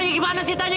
ya gimana citanya